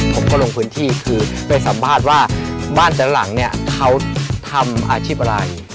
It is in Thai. ผมก็ลงพื้นที่คือไปสัมภาษณ์ว่าบ้านแต่ละหลังเนี่ยเขาทำอาชีพอะไร